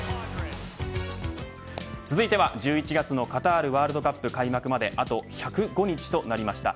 続いては、１１月のカタールワールドカップ開幕まであと１０５日となりました。